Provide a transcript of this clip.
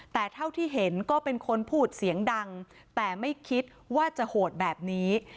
แต่เท่าที่เห็นก็เป็นคนพูดเสียงดังแต่ไม่คิดว่าจะโหดแบบนี้